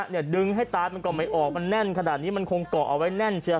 ดึงให้ตามันก็ไม่ออกมันแน่นขนาดนี้มันคงเกาะเอาไว้แน่นเชียว